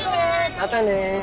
またね。